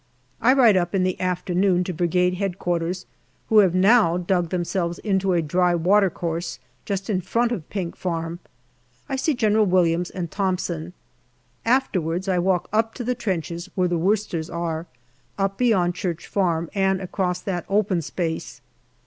I ride up in the afternoon to Brigade H.Q., who have now dug themselves into a dry watercourse just in front of Pink Farm. I see General Williams and Thomson. Afterwards I walk up to the trenches where the Worcesters are, up beyond Church Farm, and across that open space.